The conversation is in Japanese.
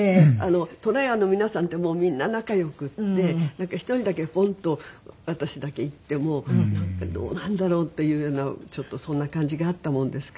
とらやの皆さんってもうみんな仲良くってなんか１人だけポンと私だけ行ってもどうなんだろう？っていうようなちょっとそんな感じがあったものですから。